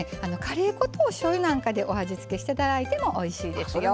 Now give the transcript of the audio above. カレー粉とおしょうゆなんかでお味付けしていただいてもおいしいですよ。